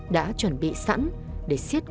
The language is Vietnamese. đã chuẩn bị sẵn để xiết cổ tâm